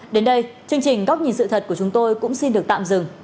đến đây chương trình góc nhìn sự thật của chúng tôi cũng xin được tạm dừng